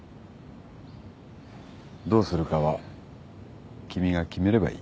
どうするかは君が決めればいい。